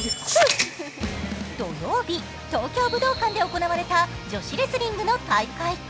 土曜日、東京武道館で行われた女子レスリングの大会。